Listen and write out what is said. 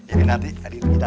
ini nanti adik adik